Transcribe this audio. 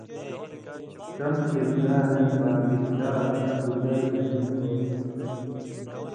سم کردارَیں (باکردار) آں سُگائ گھریں ہو تھی۔